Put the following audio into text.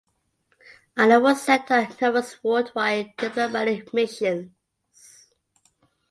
Arnould was sent on numerous worldwide diplomatic missions.